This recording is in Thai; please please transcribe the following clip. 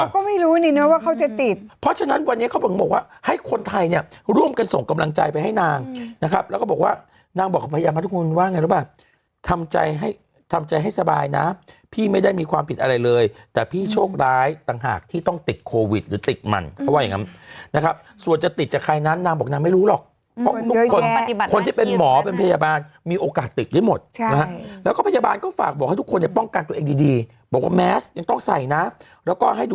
เขาก็ไม่รู้นี่เนี่ยว่าเขาจะติดเพราะฉะนั้นวันนี้เขาบอกว่าให้คนไทยเนี่ยร่วมกันส่งกำลังใจไปให้นางนะครับแล้วก็บอกว่านางบอกกับพยาบาลทุกคนว่าไงรู้ป่ะทำใจให้ทำใจให้สบายนะพี่ไม่ได้มีความผิดอะไรเลยแต่พี่โชคร้ายต่างหากที่ต้องติดโควิดหรือติดมันเพราะว่าอย่างงั้นนะครับส่วนจะติดจากใครนั้นนางบอกนางไม่ร